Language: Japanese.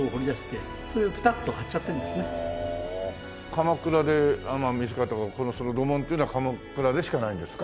鎌倉で見つかったからその土紋っていうのは鎌倉でしかないんですか？